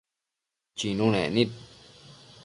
Chinunec nid